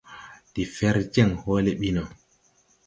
Ndi fer jeŋ hoole ɓi no.